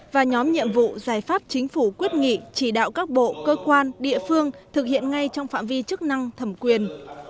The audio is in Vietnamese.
và nhóm nhiệm vụ giải pháp chính phủ quyết nghị chỉ đạo các bộ cơ quan địa phương thực hiện ngay trong phạm vi chức năng thẩm quyền